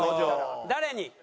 誰に？